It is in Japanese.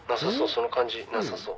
その感じなさそう」